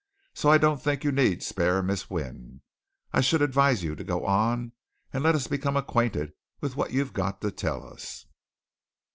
"So I don't think you need spare Miss Wynne. I should advise you to go on, and let us become acquainted with what you've got to tell us."